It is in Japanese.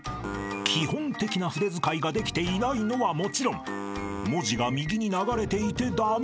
［基本的な筆遣いができていないのはもちろん文字が右に流れていて駄目］